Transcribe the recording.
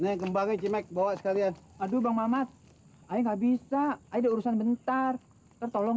nek kembangnya cimek bawa sekalian aduh bang mamat ayo nggak bisa ada urusan bentar tertolong